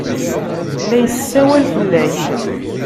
La yessawal fell-ak.